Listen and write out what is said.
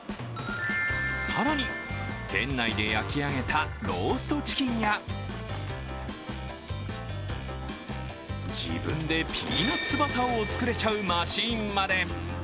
更に、店内で焼き上げたローストチキンや、自分でピーナツバターを作れちゃうマシーンまで。